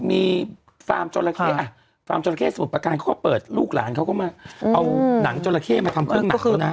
มีฟาร์มจระเข้ฟามจระเข้สมุดประการก็เปิดลูกหลานเขาก็รับงางจระเข้มาทำเครื่องหนัง